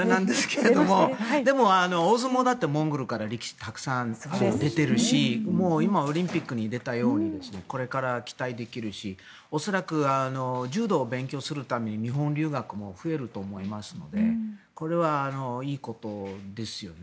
でも、大相撲だってモンゴルからたくさん力士が出ているし今、オリンピックに出たようにこれから期待できるし恐らく、柔道を勉強するために日本留学も増えると思いますのでこれはいいことですよね。